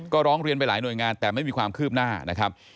ก็ร้องเรียนไปหลายหน่วยงานแต่ไม่มีความคืบหน้านะครับ